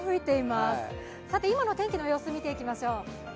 今の天気の様子を見ていきましょう。